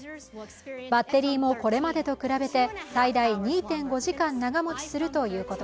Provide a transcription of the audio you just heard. バッテリーもこれまでと比べて最大２．５時間長もちするということ